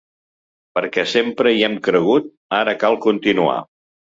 Perquè sempre hi hem cregut, ara cal continuar!